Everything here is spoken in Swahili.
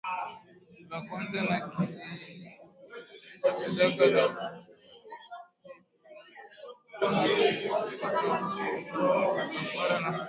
la kwanza na kilikomesha sadaka na dhabihu na mifumo yote ya kutoa Makafara na